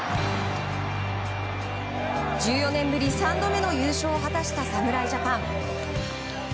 １４年ぶり、３度目の優勝を果たした侍ジャパン。